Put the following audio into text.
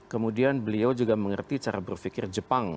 kemudian beliau juga mengerti cara berpikir jepang